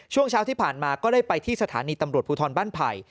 ช่วงเช้าที่ผ่านมาก็ได้ไปที่สถานีตำรวจภูทรบ้านไผ่